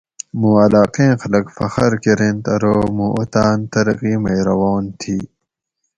مُوں علاقیں خلق فخر کرینت ارو مُوں اوطاۤن ترقی مئی روان تھی